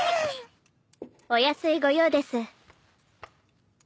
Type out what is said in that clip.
お安いご用です。